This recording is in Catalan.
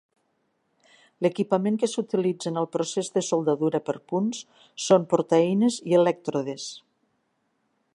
L'equipament que s'utilitza en el procés de soldadura per punts són portaeines i elèctrodes.